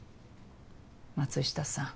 松下さん